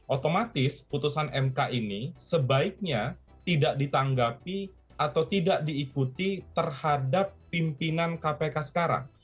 otomatis putusan mk ini sebaiknya tidak ditanggapi atau tidak diikuti terhadap pimpinan kpk sekarang